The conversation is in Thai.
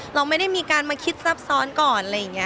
เราไม่ได้มีการมาคิดซับซ้อนก่อน